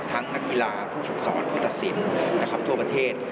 ทั้งนักกีฬาผู้ฉุดสอนผู้ตัดสินนะครับทั่วประเทศ